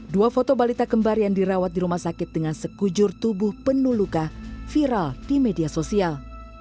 dua foto balita kembar yang dirawat di rumah sakit dengan sekujur tubuh penuh luka viral di media sosial